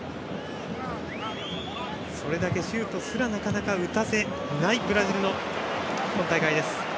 それだけシュートすらなかなか打たせないブラジルの今大会です。